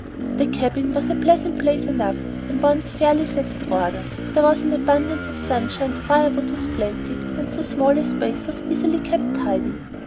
The cabin was a pleasant place enough when once fairly set in order. There was an abundance of sunshine, fire wood was plenty, and so small a space was easily kept tidy.